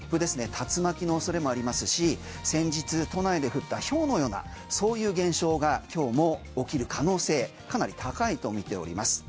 竜巻の恐れもありますし先日都内で降ったひょうのようなそういう現象が今日も起きる可能性かなり高いと見ております。